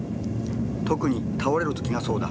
特に倒れる時がそうだ。